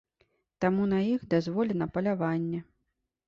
Таму на іх дазволена паляванне.